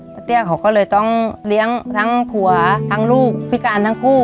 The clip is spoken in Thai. เตี้ยเขาก็เลยต้องเลี้ยงทั้งผัวทั้งลูกพิการทั้งคู่